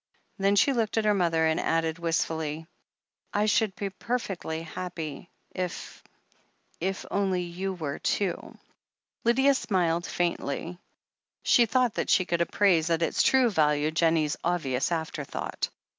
Then she looked at her mother, and added wist fully: "I should be perfectly happy if — if only you were, too." Lydia smiled faintly. She thought that she could appraise at its true value Jennie's obvious afterthought.